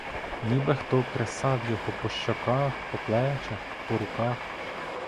Ніби хто кресав його по щоках, по плечах, по руках.